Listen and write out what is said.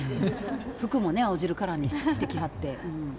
服も青汁カラーにしてきはって。